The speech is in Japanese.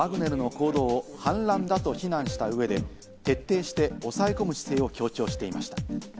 行動を反乱だと非難した上で、徹底して抑え込む姿勢を強調していました。